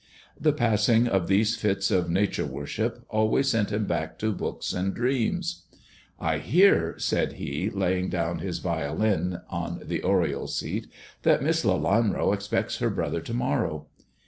The passing of these fits of Nature worship always sent him back to books and dreams. " I hear," said he, laying down his violin on the oriel seat, " that Miss Lelanro expects her brother to morrow."